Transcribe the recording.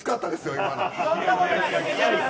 今の。